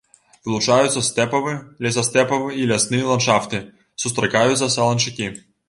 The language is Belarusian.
Вылучаюцца стэпавы, лесастэпавы і лясны ландшафты, сустракаюцца саланчакі.